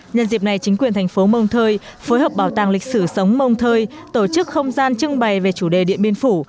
nhân dịp này chính quyền thành phố monteuil phối hợp bảo tàng lịch sử sống monteuil tổ chức không gian trưng bày về chủ đề địa biến phủ